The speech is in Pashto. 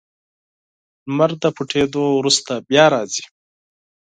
• لمر د غروب کولو وروسته بیا راځي.